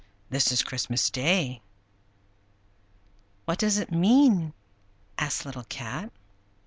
"This is Christmas Day." "What does it mean?" asked Little Cat.